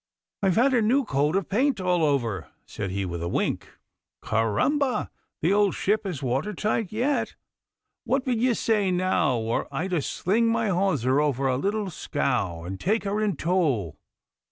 'I've had a new coat o' paint all over,' said he, with a wink. 'Carramba! the old ship is water tight yet. What would ye say, now, were I about to sling my hawser over a little scow, and take her in tow?